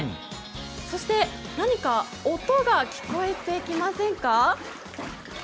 そして何か音が聞こえてきませんか？